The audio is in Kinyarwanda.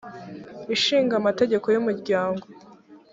ishinga amategeko y umuryango